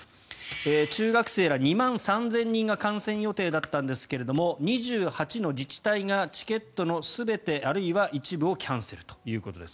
中学生ら２万３０００人が観戦予定だったんですが２８の自治体がチケットの全て、あるいは一部をキャンセルということです。